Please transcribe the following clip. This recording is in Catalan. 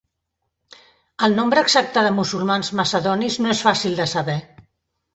El nombre exacte de musulmans macedonis no és fàcil de saber.